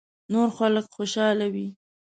نور خلک خوشاله وي .